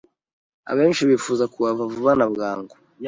abenshi bifuza kuhava vuba na bwangu